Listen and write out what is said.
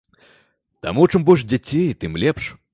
Таму чым больш дзяцей, тым лепш.